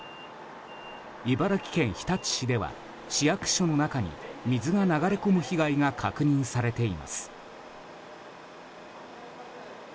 茨城県日立市では市役所の中に水が流れ込む被害が確認されています。